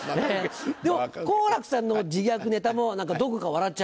でも好楽さんの自虐ネタもどこか笑っちゃいますよね。